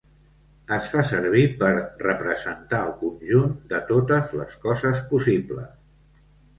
Es fa servir per representar el conjunt de totes les coses possibles.